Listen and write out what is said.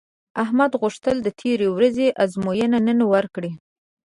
احمد غوښتل د تېرې ورځې ازموینه نن ورکړي